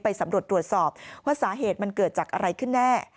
สำรวจตรวจสอบว่าสาเหตุมันเกิดจากอะไรขึ้นแน่